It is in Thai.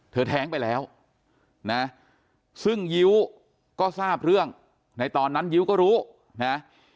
แท้งไปแล้วนะซึ่งยิ้วก็ทราบเรื่องในตอนนั้นยิ้วก็รู้นะ